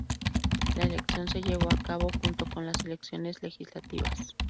La elección se llevó a cabo junto con las elecciones legislativas.